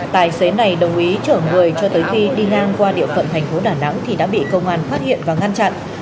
tài xế này đồng ý chở người cho tới khi đi ngang qua địa phận thành phố đà nẵng thì đã bị công an phát hiện và ngăn chặn